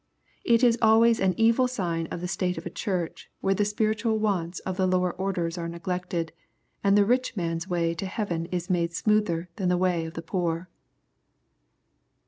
It is always an evil sign of the state of a Church when the spiritual wants of the lower orders are neglected, and the rich man's way to heaven is made smoother than the way of the poor.